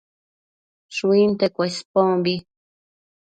Shuinte Cuespombi